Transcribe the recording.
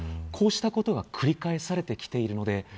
こうしたことが繰り返されてきているので